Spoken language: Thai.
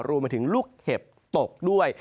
รวมไปถึงลูกเห็บตกด้วย